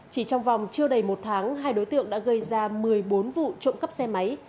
chỉ trong vòng chưa đầy một tháng hai đối tượng đã gây ra một mươi bốn vụ trộm cắp xe máy